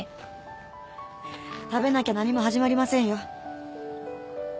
食べなきゃ何も始まりませんよ。